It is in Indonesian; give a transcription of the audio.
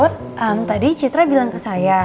tadi citra bilang ke saya